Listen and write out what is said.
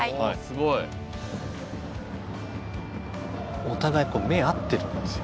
すごい。お互い目合ってるんですよ。